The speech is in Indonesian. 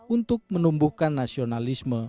untuk menumbuhkan nasionalisme